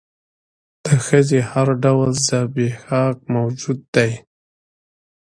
د ښځې هر ډول زبېښاک موجود دى.